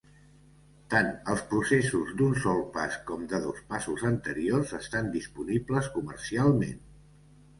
Tant els processos d'un sol pas com de dos passos anteriors estan disponibles comercialment.